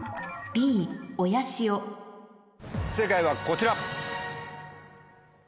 正解はこちら。